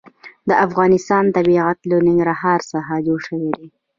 د افغانستان طبیعت له ننګرهار څخه جوړ شوی دی.